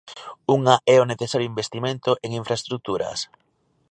Unha é o necesario investimento en infraestruturas.